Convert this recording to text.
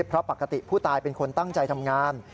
เพราะปกติผู้ตายเป็นคนตั้งใจทำงาน